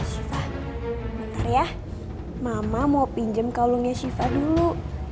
syifa bentar ya mama mau pinjam kalungnya syifa dulu